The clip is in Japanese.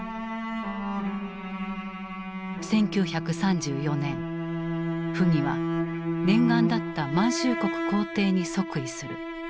１９３４年溥儀は念願だった満州国皇帝に即位する。